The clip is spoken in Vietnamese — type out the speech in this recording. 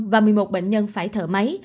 một người tử vong không ai phải thở máy